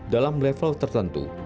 dalam level tertentu